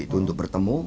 itu untuk bertemu